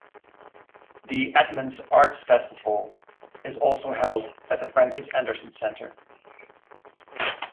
The Edmonds Arts Festival is also held at the Frances Anderson Center.